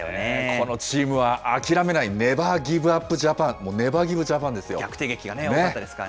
このチームは諦めない、ネバーギブアップジャパン、逆転劇がすごかったですから